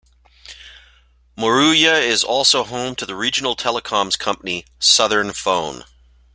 Moruya is also home to the regional telecoms company Southern Phone.